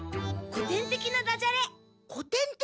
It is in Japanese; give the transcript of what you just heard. こてんてきなダジャレ？